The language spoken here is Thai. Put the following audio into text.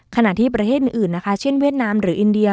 ขณะที่ประเทศอื่นนะคะเช่นเวียดนามหรืออินเดีย